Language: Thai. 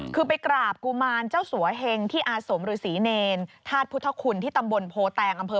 คือไปกราบกุมารเจ้าสัวเฮงที่อาสมหรือศรีเนร